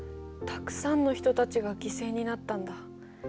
たくさんの人たちが犠牲になったんだ。